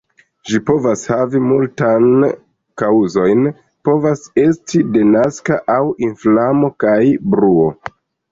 Ĝi povas havi multan kaŭzojn, povas esti denaska aŭ inflamo kaj bruo.